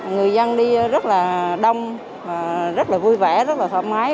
người dân đi rất là đông rất là vui vẻ rất là thoải mái